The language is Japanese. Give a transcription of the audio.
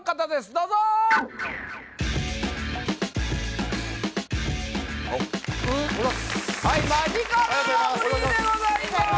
どうぞはいマヂカルラブリーでございます